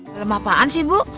film apaan sih bu